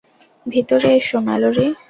ভিতরে এসো, ম্যালরি।